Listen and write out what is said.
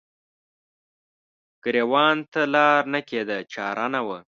ګریوان ته لار نه کیده چار نه وه